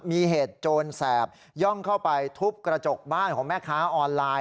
มีเหตุโจรแสบย่องเข้าไปทุบกระจกบ้านของแม่ค้าออนไลน์